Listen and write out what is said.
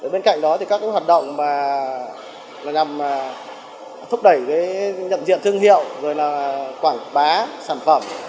bên cạnh đó các hoạt động nhằm thúc đẩy nhận diện thương hiệu quảng bá sản phẩm